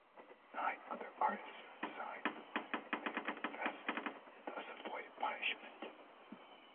Nine other artists who had signed the letter later "confessed" and thus avoided punishment.